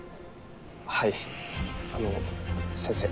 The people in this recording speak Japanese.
はいあの先生。